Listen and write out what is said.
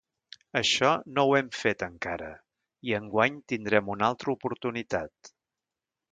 Això no ho hem fet encara, i enguany tindrem una altra oportunitat.